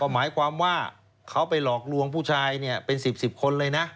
หมายความว่าเขาไปหลอกลวงผู้ชายเป็น๑๐คนเลยนะ